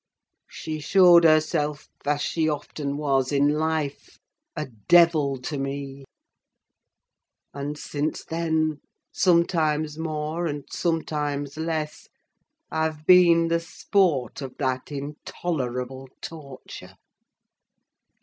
She showed herself, as she often was in life, a devil to me! And, since then, sometimes more and sometimes less, I've been the sport of that intolerable torture!